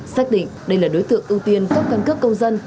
xác định đây là đối tượng ưu tiên cấp căn cước công dân